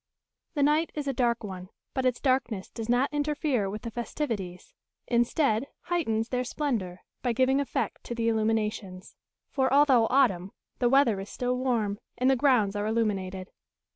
The night is a dark one; but its darkness does not interfere with the festivities; instead, heightens their splendour, by giving effect to the illuminations. For although autumn, the weather is still warm, and the grounds are illuminated.